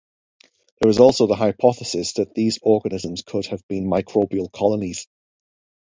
There is also the hypothesis that these organisms could have been microbial colonies.